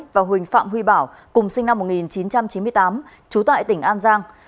và huỳnh phạm huy bảo cùng sinh năm một nghìn chín trăm chín mươi tám trú tại tỉnh an giang